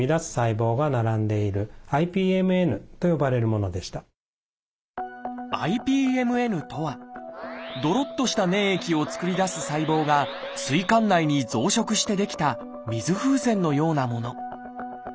この方の場合は「ＩＰＭＮ」とはどろっとした粘液を作り出す細胞が膵管内に増殖して出来た水風船のようなもの。